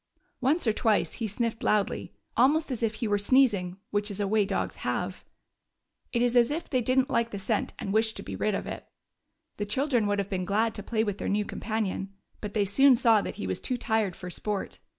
Once or twice he sniffed loudly, almost as if he were sneezing — which is a way dogs have. It is as if they did n't like the scent and wished to be rid of it. The children would have been glad to play with their new companion, but they soon saw that he was too tired for sport.